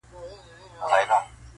د هندو او کلیمې یې سره څه,